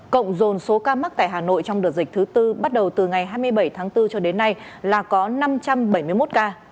cộng dồn số ca mắc tại hà nội trong đợt dịch thứ tư bắt đầu từ ngày hai mươi bảy tháng bốn cho đến nay là có năm trăm bảy mươi một ca